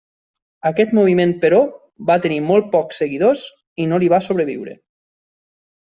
Aquest moviment, però, va tenir molt pocs seguidors i no li va sobreviure.